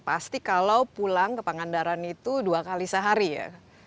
pasti kalau pulang ke pangandaran itu dua kali sehari ya